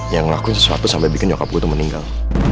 yang ngelakuin sesuatu sampai bikin nyokap aku tuh meninggal